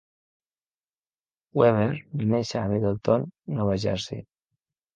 Weber va néixer a Middletown, Nova Jersey.